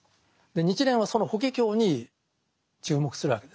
日蓮はその「法華経」に注目するわけですね。